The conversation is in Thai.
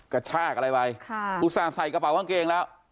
กระชากอะไรไปอุตส่าห์ใส่กระเป๋ากางเกงแล้ว